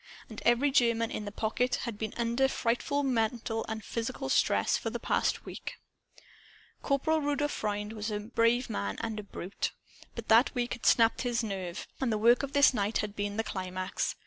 And every German in the "Pocket" had been under frightful mental and physical stress, for the past week. Corporal Rudolph Freund was a brave man and a brute. But that week had sapped his nerve. And the work of this night had been the climax.